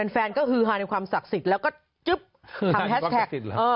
แฟนก็ฮือฮาในความศักดิ์สิทธิ์แล้วก็จึ๊บทำแฮชแท็ก